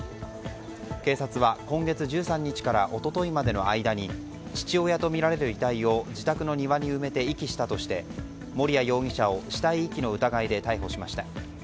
警察は今月１３日から一昨日までの間に父親とみられる遺体を自宅の庭に埋めて遺棄したとして守屋容疑者を死体遺棄の疑いで逮捕しました。